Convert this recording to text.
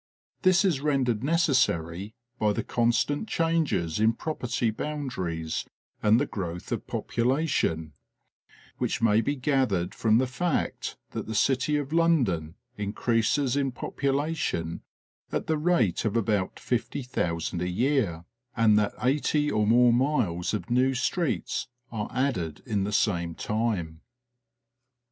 This is rendered necessary by the constant changes in property boundaries, and the growth of population—which may be gathered from the fact that the city of London increases in population at the rate of about 50,000 a year, and that eighty or more miles of new streets are added in the same time.